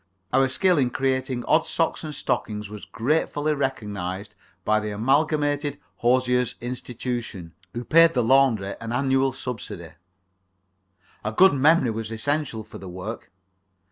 Our skill in creating odd socks and stockings was gratefully recognized by the Amalgamated Hosiers' Institution, who paid the laundry an annual subsidy. A good memory was essential for the work.